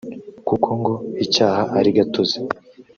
kuko ngo icyaha ari gatozi